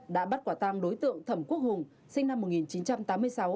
đã bắt quả tang đối tượng thẩm quốc hùng sinh năm một nghìn chín trăm tám mươi sáu